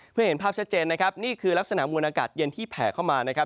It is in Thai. เพื่อเห็นภาพชัดเจนนี่คือลักษณะวนอากาศเย็นที่แผลเข้ามา